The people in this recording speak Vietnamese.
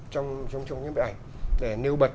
trong những bức ảnh để nêu bật